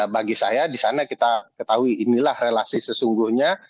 bagi saya di sana kita ketahui inilah relasi sesungguhnya